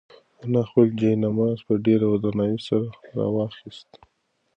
انا خپل جاینماز په ډېر درناوي سره راواخیست.